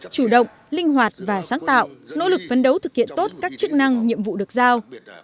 chủ động linh hoạt và sáng tạo nỗ lực phấn đấu thực hiện tốt các chức năng nhiệm vụ được giao